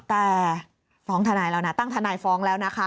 แต่ฟ้องทนายแล้วนะตั้งทนายฟ้องแล้วนะคะ